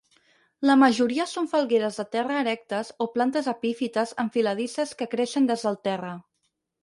La majoria són falgueres de terra erectes o plantes epífites enfiladisses que creixen des del terra.